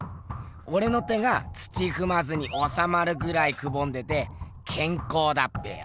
おれの手が土ふまずにおさまるぐらいくぼんでてけんこうだっぺよ！